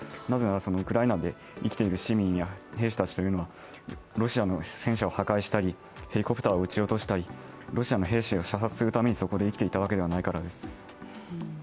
なぜならウクライナで生きている市民や兵士たちというのはロシアの戦車を破壊したりヘリコプターを狙撃したりロシアの兵士を射殺するためにそこで生きていたからではないからです。